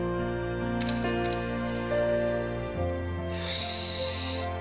よし。